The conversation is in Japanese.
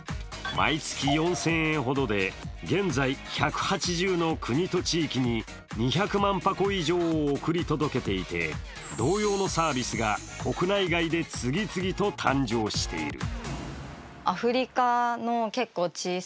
毎月４０００円ほどで現在、１８０の国と地域に２００万箱以上を送り届けていて同様のサービスが国内外で次々と誕生している。